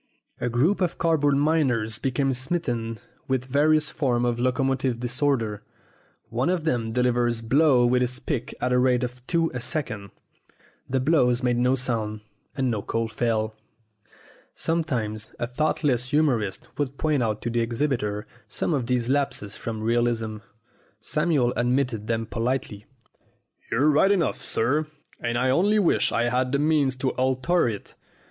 A group of card board miners became smitten with various forms of locomotive disorder. One of them delivered blows with his pick at the rate of two a second. The blows made no sound, and no coal fell. Sometimes a thoughtless humorist would point out to the exhibitor some of these lapses from realism. Samuel admitted them politely. "You're right enough, sir, and I only wish I had the means to alter it.